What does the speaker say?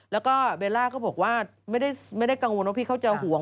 แล้วก็เบลล่าก็บอกว่าไม่ได้กังวลว่าพี่เขาจะห่วง